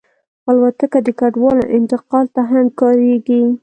الوتکه د کډوالو انتقال ته هم کارېږي.